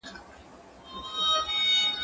فکر وکړه!؟